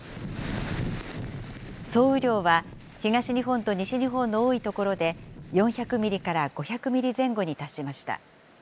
総雨量は東日本と西日本の多い所で、４００ミリから５００ミリ前後に達しました。